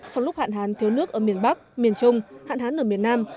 trong lúc hạn hán thiếu nước ở miền bắc miền trung hạn hán ở miền nam